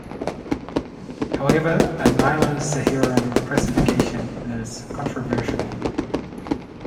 However, a Nilo-Saharan classification is controversial.